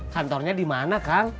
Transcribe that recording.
kantornya di mana kang